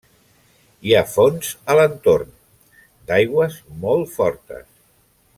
Hi ha fonts a l'entorn, d'aigües molt fortes.